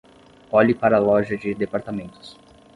Olhe para a loja de departamentos